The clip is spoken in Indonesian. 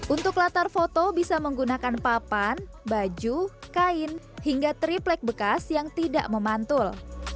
untuk latar foto bisa menggunakan papan baju kain hingga triplek bekas yang tidak memantul